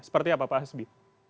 seperti apa pak hasbi